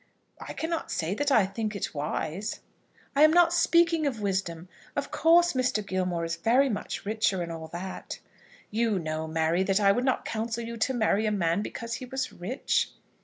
"I cannot say that I think it wise." "I am not speaking of wisdom. Of course, Mr. Gilmore is very much richer, and all that." "You know, Mary, that I would not counsel you to marry a man because he was rich."